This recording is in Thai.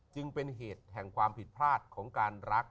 จึงเป็นเหตุแห่งความผิดพลาดของการรัก